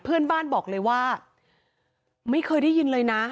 เพื่อนบ้านบอกเลยว่าไม่เคยได้ยินเลยนะ